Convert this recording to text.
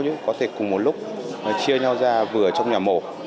nhưng có thể cùng một lúc chia nhau ra vừa trong nhà mổ